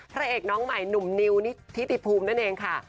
พระเอกน้องใหม่หนุ่มนิวนิธิติภูมินั่นเองค่ะ